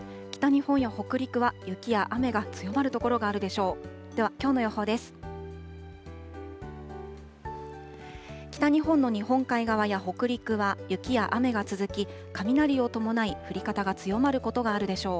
北日本や北陸は雪や雨が強まる所があるでしょう。